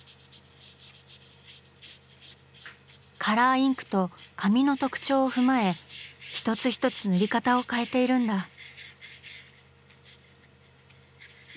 カラーインクと紙の特徴を踏まえ一つ一つ塗り方を変えているんだ。